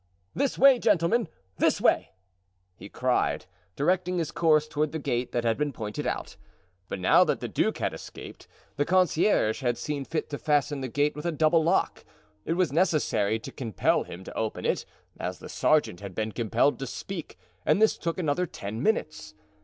"This way, gentlemen, this way!" he cried, directing his course toward the gate that had been pointed out. But, now that the duke had escaped, the concierge had seen fit to fasten the gate with a double lock. It was necessary to compel him to open it, as the sergeant had been compelled to speak, and this took another ten minutes.